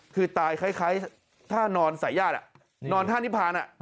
คือตายคล้ายท่านอนสายญาตินอนท่านิพาน